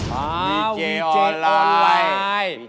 ว้าววีเจออนไลน์